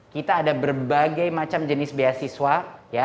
kita memiliki jenis beasiswa